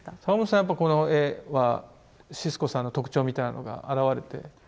坂本さんやっぱこの絵はシスコさんの特徴みたいなのが表れて。